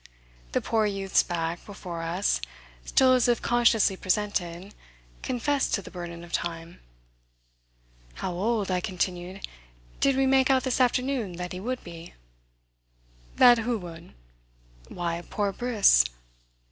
The poor youth's back, before us, still as if consciously presented, confessed to the burden of time. "How old," I continued, "did we make out this afternoon that he would be?" "That who would?" "Why, poor Briss."